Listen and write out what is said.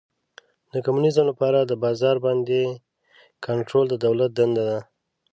د کمونیزم لپاره د بازار باندې کنټرول د دولت دنده ده.